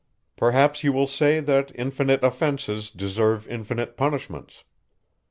Perhaps you will say, that infinite offences deserve infinite punishments.